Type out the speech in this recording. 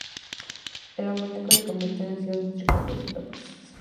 El amoníaco se convierte en ácido nítrico en dos etapas.